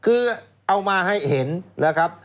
คือเอามาให้เห็นนะครับ